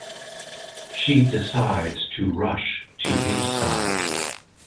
She decides to rush to his side.